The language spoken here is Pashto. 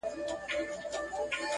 د مومندو رباط اوس د کندهار